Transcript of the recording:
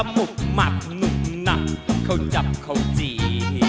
หุบหมัดหนุ่มหนักเข้าจับเขาจี